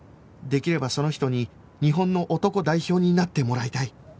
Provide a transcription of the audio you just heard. できればその人に日本の男代表になってもらいたい